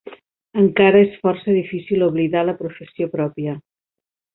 Encara és força difícil oblidar la professió pròpia.